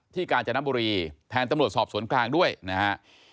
กาญจนบุรีแทนตำรวจสอบสวนกลางด้วยนะฮะ